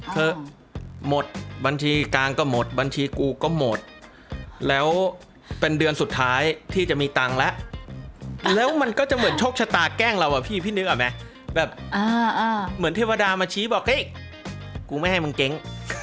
เถอะหมดบัญชีกลางก็หมดบัญชีกูก็หมดแล้วเป็นเดือนสุดท้ายที่จะมีตังค์แล้วแล้วมันก็จะเหมือนโชคชะตาแกล้งเราอ่ะพี่พี่นึกออกไหมแบบเหมือนเทวดามาชี้บอกกูไม่ให้มึงเก๊ง